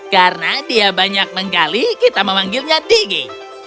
karena dia banyak menggali kita memanggilnya digi